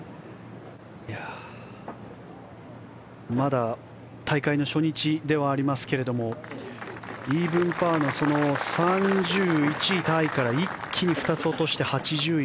まだ大会初日ではありますがイーブンパーの３１位タイから一気に２つ落として８０位